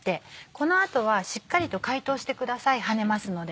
この後はしっかりと解凍してください跳ねますので。